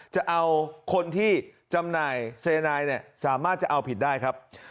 จะเอาคนที่จำหน่ายเซนายเนี่ยสามารถจะเอาผิดได้ครับ